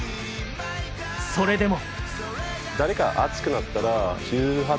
それでも。